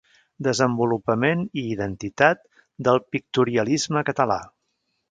Desenvolupament i identitat del pictorialisme català.